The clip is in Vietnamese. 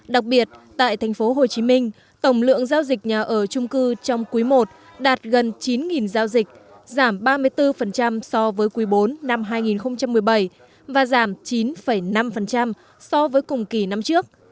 đặc biệt tại thành phố hồ chí minh tổng lượng giao dịch nhà ở trung cư trong quý i đạt gần chín giao dịch giảm ba mươi bốn so với quý iv năm hai nghìn một mươi bảy và giảm chín năm so với cùng kỳ năm trước